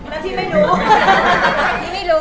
แล้วที่ไม่รู้